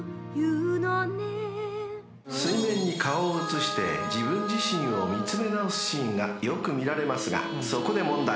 ［水面に顔を映して自分自身を見つめ直すシーンがよく見られますがそこで問題］